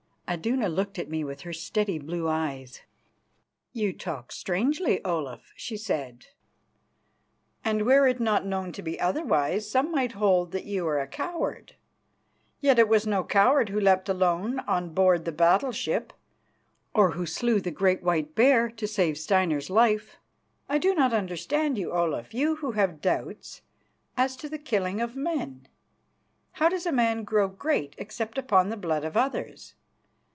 Iduna looked at me with her steady blue eyes. "You talk strangely, Olaf," she said, "and were it not known to be otherwise, some might hold that you are a coward. Yet it was no coward who leapt alone on board the battle ship, or who slew the great white bear to save Steinar's life. I do not understand you, Olaf, you who have doubts as to the killing of men. How does a man grow great except upon the blood of others?